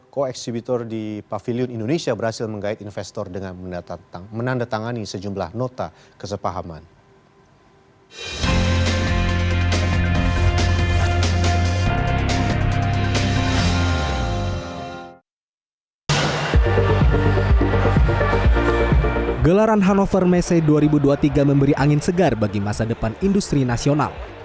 koeksibitor di pavilion indonesia berhasil mengait investor dengan menandatangani sejumlah nota kesepahaman